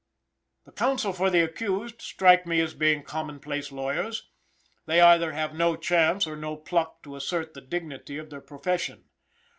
The counsel for the accused strike me as being commonplace lawyers. They either have no chance or no pluck to assert the dignity of their profession.